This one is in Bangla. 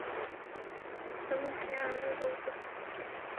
তুমি কি আরবি বলতে পারো?